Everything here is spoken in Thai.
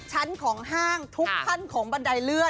ชั้นของห้างทุกขั้นของบันไดเลื่อน